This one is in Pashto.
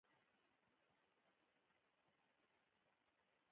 افغانستان تر هغو نه ابادیږي، ترڅو یو رنګی پرمختګ رامنځته نشي.